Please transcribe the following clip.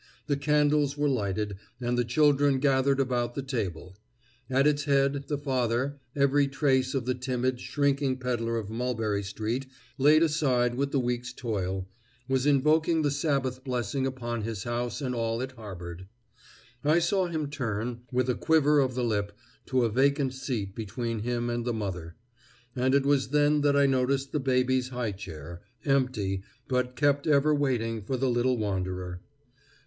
The candles were lighted, and the children gathered about the table; at its head, the father, every trace of the timid, shrinking peddler of Mulberry street laid aside with the week's toil, was invoking the Sabbath blessing upon his house and all it harbored. I saw him turn, with a quiver of the lip, to a vacant seat between him and the mother; and it was then that I noticed the baby's high chair, empty, but kept ever waiting for the little wanderer.